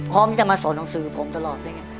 พ่อไม่ได้มาสอนหนังสือผมตลอดอย่างนี้